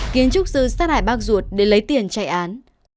kiến trúc sư sát hải bác ruột để lấy tiền chạy án